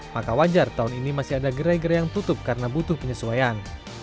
maka wajar tahun ini masih ada gerai gerai yang tutup karena butuh penyesuaian